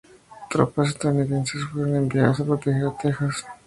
Tropas estadounidenses fueron enviadas a "proteger" Texas.